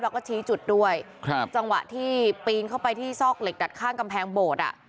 แล้วก็ชี้จุดด้วยครับจังหวะที่ปีนเข้าไปที่ซอกเหล็กดัดข้างกำแพงโบสถ์อ่ะ